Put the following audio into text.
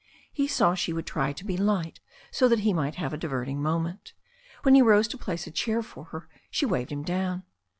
He saw she would try to be light so that he might have a di verting moment. When he rose to place a chair for her, she waved him down.